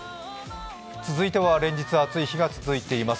続いては連日暑い日が続いています。